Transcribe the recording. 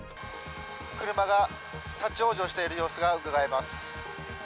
車が立往生している様子が伺えます。